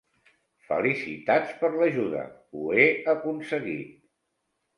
Felicitats per l'ajuda, ho he aconseguit!